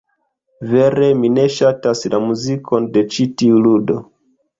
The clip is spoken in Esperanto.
Vere, mi ne ŝatas la muzikon de ĉi tiu ludo.